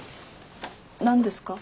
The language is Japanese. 何ですか？